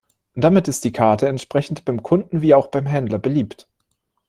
Damit ist die Karte entsprechend beim Kunden wie auch beim Händler beliebt.